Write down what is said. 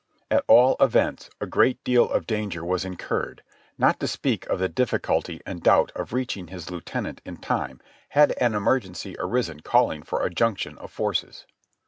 At all events a great deal of danger was incurred, not to speak of the difficulty and doubt of reaching his lieutenant in time had an emergency arisen calling for a junction of forces.